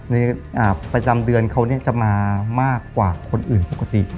ประจำเดือนเขาจะมามากกว่าคนอื่นปกติ